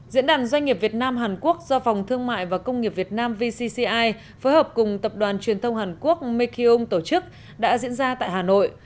diễn đàn doanh nghiệp việt nam hàn quốc do phòng thương mại và công nghiệp việt nam vcci phối hợp cùng tập đoàn truyền thông hàn quốc mikeung tổ chức đã diễn ra tại hà nội